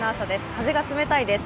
風が冷たいです。